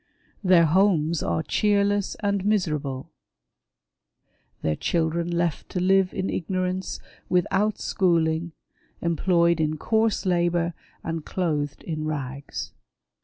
Their homes are cheerless and miserable, their children left to live in ignorance, without schooling, employed in coarse labour, and clothed in rags.